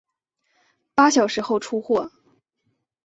八小时后出货